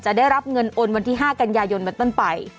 ได้รับเงินโอนวันที่๕กันยายนเป็นต้นไป